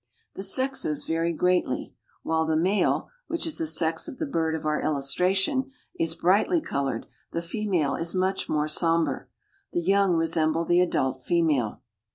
The sexes vary greatly. While the male, which is the sex of the bird of our illustration, is brightly colored, the female is much more somber. The young resemble the adult female.